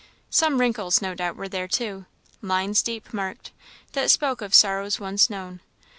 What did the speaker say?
Some wrinkles, no doubt, were there, too; lines deep marked, that spoke of sorrows once known.